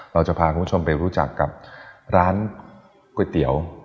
เราจะพาคุณผู้ชมไปรู้จักกับร้านก๋วยเตี๋ยว